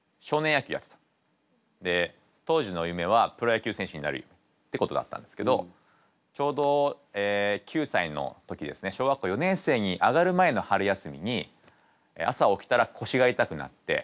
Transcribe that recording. で当時の夢はプロ野球選手になるってことだったんですけどちょうど９歳の時ですね小学校４年生に上がる前の春休みに朝起きたら腰が痛くなって。